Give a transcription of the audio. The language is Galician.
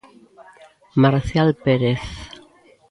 Marcial Pérez.